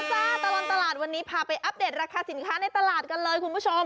ตลอดตลาดวันนี้พาไปอัปเดตราคาสินค้าในตลาดกันเลยคุณผู้ชม